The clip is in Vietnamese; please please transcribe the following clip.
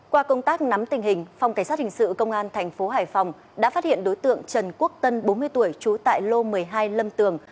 qua công tác nắm tình hình phòng cảnh sát hình sự công an thành phố hải phòng đã phát hiện đối tượng trần quốc tân bốn mươi tuổi trú tại lô một mươi hai lâm tường